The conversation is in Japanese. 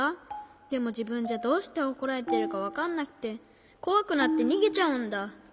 でもじぶんじゃどうしておこられてるかわかんなくてこわくなってにげちゃうんだ。